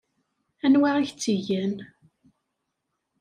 Anwa i k-tt-igan?